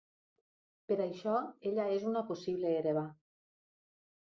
Per això, ella és una possible hereva.